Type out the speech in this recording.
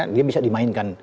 dia bisa dimainkan